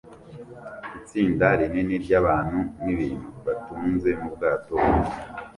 Itsinda rinini ryabantu nibintu batunze mubwato buto